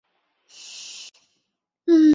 西部群岛。